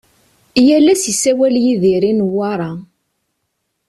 Yal ass isawal Yidir i Newwara.